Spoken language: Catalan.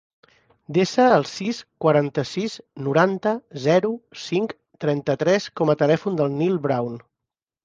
Desa el sis, quaranta-sis, noranta, zero, cinc, trenta-tres com a telèfon del Nil Brown.